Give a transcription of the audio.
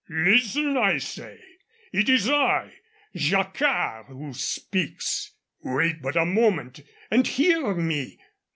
Listen, I say. It is I, Jacquard, who speaks. Wait but a moment and hear me.